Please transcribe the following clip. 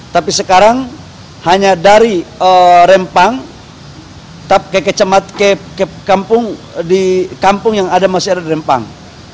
tapi sekarang hanya dari rempang ke kampung yang masih ada di rempang